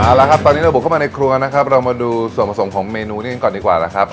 เอาละครับตอนนี้เราบุกเข้ามาในครัวนะครับเรามาดูส่วนผสมของเมนูนี้กันก่อนดีกว่านะครับ